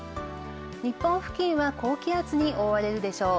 日本付近は高気圧に覆われるでしょう。